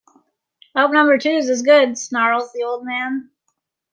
"I hope number two's as good" snarls the old man.